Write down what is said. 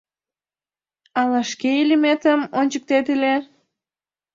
Ала шке илеметым ончыктет ыле?..